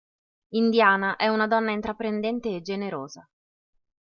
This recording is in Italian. Indiana è una donna intraprendente e generosa.